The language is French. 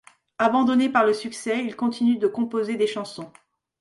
Abandonné par le succès, il continue de composer des chansons.